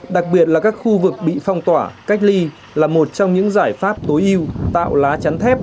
đặc biệt là các khu vực bị phong tỏa cách ly là một trong những giải pháp tối ưu tạo lá chắn thép